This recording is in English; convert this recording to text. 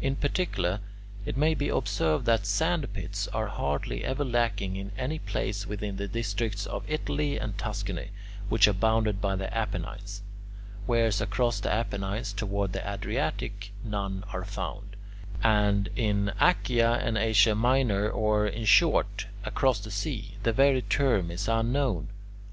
In particular, it may be observed that sandpits are hardly ever lacking in any place within the districts of Italy and Tuscany which are bounded by the Apennines; whereas across the Apennines toward the Adriatic none are found, and in Achaea and Asia Minor or, in short, across the sea, the very term is unknown.